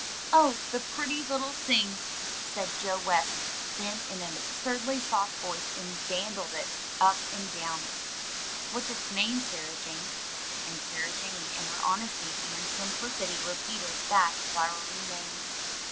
"Oh, the pretty little sing!" said Joe West then, in an ab surdly soft voice, and dandled it up and down. "What's its name, Sarah Jane?" And Sarah Jane in her honesty and simplicity repeated that flowery name.